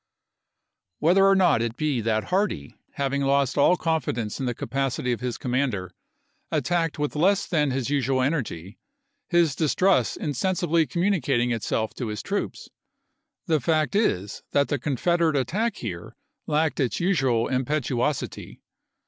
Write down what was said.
Whether or not it be that Hardee, having lost all Aug.3i,i864. confidence in the capacity of his commander, at tacked with less than his usual energy, his distrust insensibly communicating itself to his troops, the fact is that the Confederate attack here lacked its usual impetuosity.